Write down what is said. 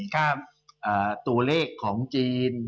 ตัวเลขของจีน